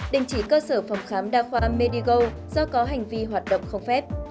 đình chỉ cơ sở phòng khám đa khoa medigo do có hành vi hoạt động không phép